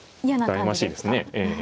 悩ましいですね。